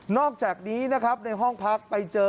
อกจากนี้นะครับในห้องพักไปเจอ